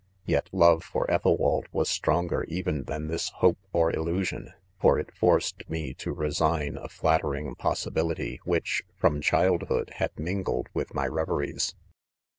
Yet •love :; for ' BthelWaldwas stronger even than this hope or illusion, for it forced me to resign a flattering possibility which, from childhood, had mingled with my reveries.